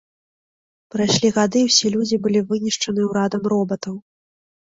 Прайшлі гады, і ўсе людзі былі вынішчаны ўрадам робатаў.